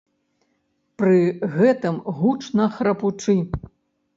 Пры гэтым гучна храпучы.